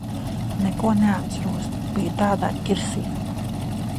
Neko neatceros. Biju tādā ķirsī.